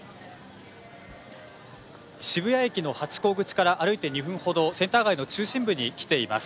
渋谷駅のハチ公口から歩いて２分ほどセンター街の中心部に来ています。